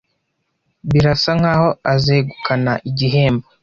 Birasa nkaho azegukana igihembo.